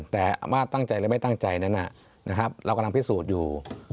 แต่อาม่าตั้งใจหรือไม่ตั้งใจนั้นเรากำลังพิสูจน์อยู่